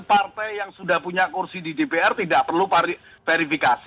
partai yang sudah punya kursi di dpr tidak perlu verifikasi